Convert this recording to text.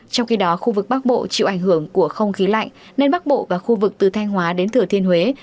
trong khi đó khu vực bắc bộ chịu ảnh hưởng của không khí lạnh nên bắc bộ và khu vực từ thanh hóa đến thừa thiên huế